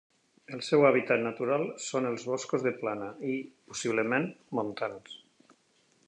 El seu hàbitat natural són els boscos de plana i, possiblement, montans.